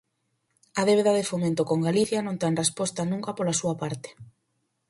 A débeda de Fomento con Galicia non ten resposta nunca pola súa parte.